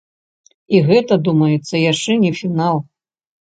І гэта, думаецца, яшчэ не фінал.